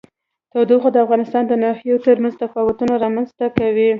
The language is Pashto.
تودوخه د افغانستان د ناحیو ترمنځ تفاوتونه رامنځ ته کوي.